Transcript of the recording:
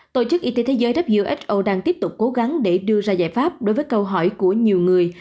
tổ chức y tế thế giới who đang tiếp tục cố gắng để đưa ra giải pháp đối với câu hỏi của nhiều người